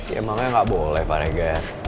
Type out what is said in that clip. emangnya gak boleh pak regar